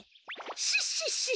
シッシッシッ！